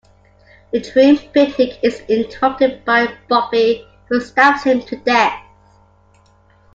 The dream-picnic is interrupted by Buffy who stabs him to death.